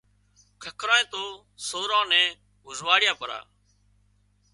ککرانئي تو سوران نين هوزواڙيا پرا